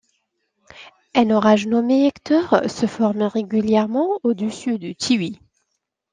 Un orage nommé Hector se forme régulièrement au-dessus de Tiwi.